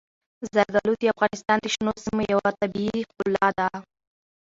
زردالو د افغانستان د شنو سیمو یوه طبیعي ښکلا ده.